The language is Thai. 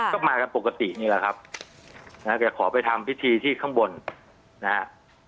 ก็มากันปกตินี่แหละครับนะฮะแกขอไปทำพิธีที่ข้างบนนะฮะ